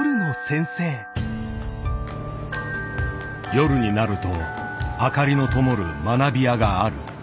夜になると明かりのともる学び舎がある。